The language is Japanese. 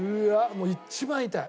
もう一番痛い。